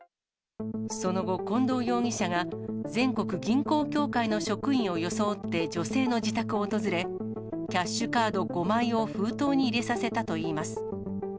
その後、近藤容疑者が全国銀行協会の職員を装って女性の自宅を訪れ、キャッシュカード５枚を封筒に入れさせたといいます。